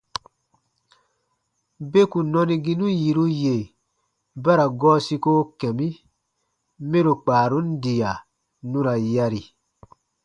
Beku nɔniginu yiru yè ba ra gɔɔ siko kɛ̃ mi mɛro kpaarun diya nu ra yari.